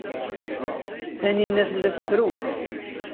Taninna tella tettru.